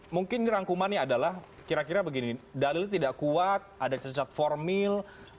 mungkin ini rangkumannya adalah kira kira begini dalilnya tidak kuat ada cacat formil